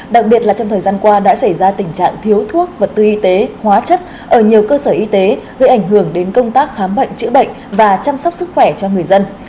đặc biệt là trong thời gian qua đã xảy ra tình trạng thiếu thuốc vật tư y tế hóa chất ở nhiều cơ sở y tế gây ảnh hưởng đến công tác khám bệnh chữa bệnh và chăm sóc sức khỏe cho người dân